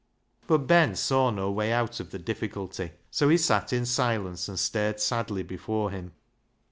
But Ben saw no way out of the difficult)^ so he sat in silence and stared sadly before him.